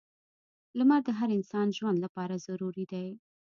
• لمر د هر انسان ژوند لپاره ضروری دی.